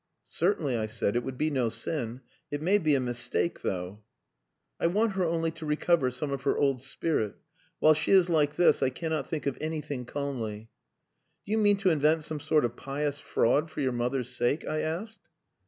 "Certainly," I said, "it would be no sin. It may be a mistake, though." "I want her only to recover some of her old spirit. While she is like this I cannot think of anything calmly." "Do you mean to invent some sort of pious fraud for your mother's sake?" I asked.